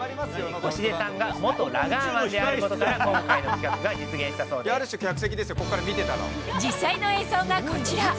星出さんが元ラガーマンであることから、今回の企画が実現したそある種、客席ですよ、ここか実際の映像がこちら。